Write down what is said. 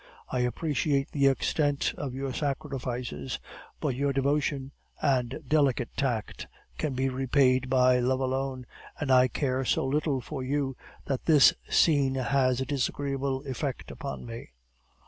I appreciate the extent of your sacrifices; but your devotion and delicate tact can be repaid by love alone, and I care so little for you, that this scene has a disagreeable effect upon me.